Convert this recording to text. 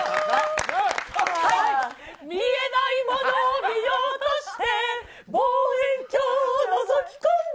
見えないものを見ようとして、望遠鏡をのぞき込んだ。